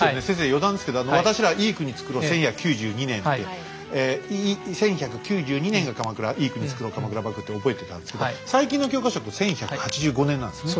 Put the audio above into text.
余談ですけど私らは「いい国つくろう１１９２年」って１１９２年が鎌倉「いい国つくろう鎌倉幕府」って覚えてたんですけど最近の教科書って１１８５年なんですよね。